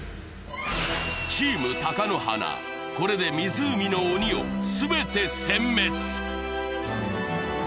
チーム貴乃花、これで湖の鬼を全て殲滅。